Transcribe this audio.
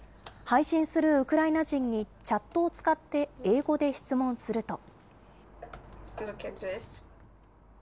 配信するウクライナ人にチャットを使って英語で質問すると。